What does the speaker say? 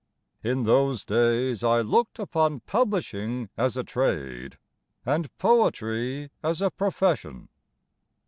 In those days I looked upon publishing as a trade And poetry as a profession.